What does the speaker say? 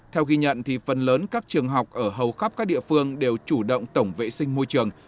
theo ghi nhận thì phần lớn các trường học ở hầu khắp các địa phương đều chủ động tổng vệ sinh môi trường